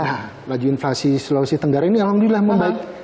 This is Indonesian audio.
nah laju inflasi sulawesi tenggara ini alhamdulillah membaik